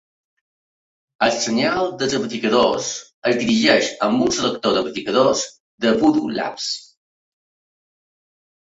El senyal dels amplificadors es dirigeix amb un selector d'amplificadors de Voodoo Labs.